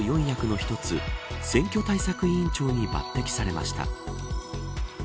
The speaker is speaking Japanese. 党４役の一つ選挙対策委員長に抜てきされました。